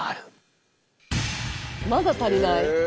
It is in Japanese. まだ足りない！